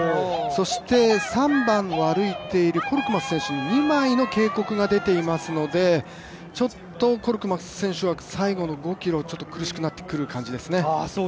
そして、３番を歩いているコークマズ選手に２枚の警告が出ていますのでちょっとコークマズ選手は最後の５ｋｍ、苦しくなってくる感じですね。